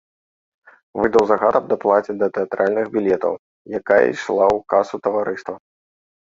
Выдаў загад аб даплаце да тэатральных білетаў, якая ішла ў касу таварыства.